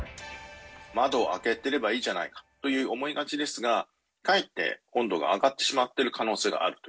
窓を開けてればいいじゃないかというふうに思いがちですが、かえって温度が上がってしまっている可能性があると。